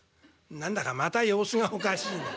「何だかまた様子がおかしいな。